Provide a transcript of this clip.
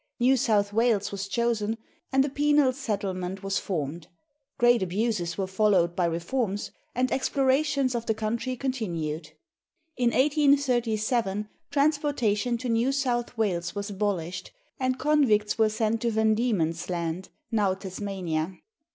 New South Wales was chosen, and a penal settlement was formed. Great abuses were followed by reforms, and explorations of the country continued. In 1837 transportation to New South Wales was abolished, and convicts were sent to Van Die man's Land, now Tasmania.